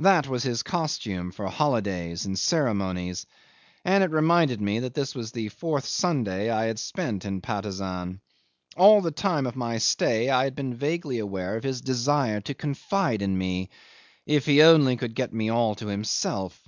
That was his costume for holidays and ceremonies, and it reminded me that this was the fourth Sunday I had spent in Patusan. All the time of my stay I had been vaguely aware of his desire to confide in me, if he only could get me all to himself.